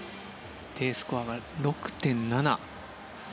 Ｄスコアが６．７。